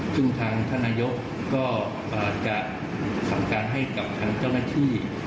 ซึ่งทางท่านนายกก็อาจจะสั่งการให้กับทางเจ้าหน้าที่